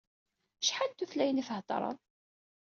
Acḥal n tutlayin i theddṛeḍ?